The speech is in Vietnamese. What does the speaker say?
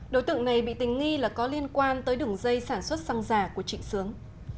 đối tượng này bị tình nghi là có liên quan tới đường dây sản xuất xăng giả của trịnh sướng